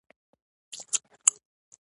د ایمیل څخه استفاده کوئ؟